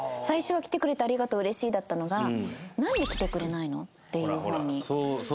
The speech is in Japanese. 最初は「来てくれてありがとう嬉しい」だったのが「なんで来てくれないの？」っていう方に。